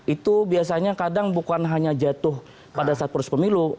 itu biasanya kadang bukan hanya jatuh pada saat proses pemilu